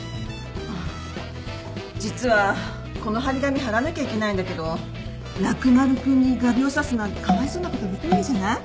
あっ実はこの張り紙張らなきゃいけないんだけどラク丸君に画びょう刺すなんてかわいそうなことできないじゃない？